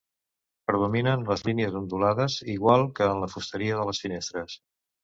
Predominen les línies ondulades, igual que en la fusteria de les finestres.